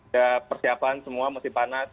ya persiapan semua masih panas